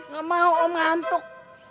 nggak mau om ngantuk